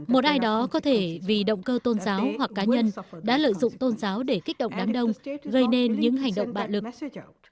một ai đó có thể vì động cơ tôn giáo hoặc cá nhân đã lợi dụng tôn giáo để kích động đám đông gây nên những hành động bạo lực